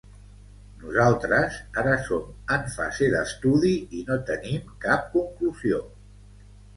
Nosaltres ara som en fase d’estudi i no tenim cap conclusió.